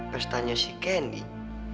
pestanya si kenny